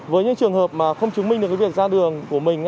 với những trường hợp mà không chứng minh được cái việc ra đường của mình